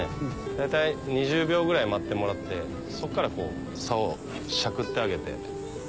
大体２０秒ぐらい待ってもらってそっから竿をしゃくってあげて。